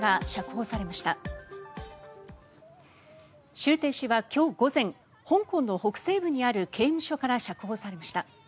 シュウ・テイ氏は今日午前香港の北西部にある刑務所から釈放されました。